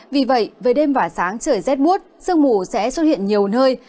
vì vậy về đêm và sáng trời rét bút sương mù sẽ xuất hiện nhiều nơi